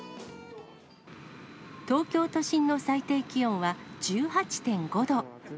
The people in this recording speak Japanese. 東京都心の最低気温は１８．５度。